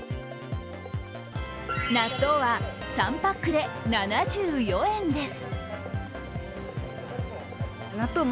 納豆は３パック７４円です。